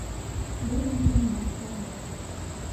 Был егет миңә оҡшаған.